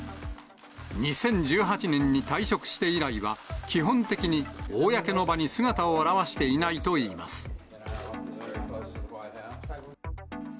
２０１８年に退職して以来は、基本的に公の場に姿を現していないといいます。